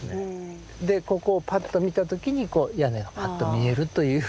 でここをパッと見た時に屋根がパッと見えるというふうな。